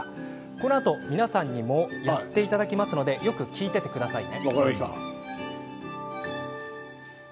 このあと皆さんにもやっていただきますのでよく聞いててくださいね。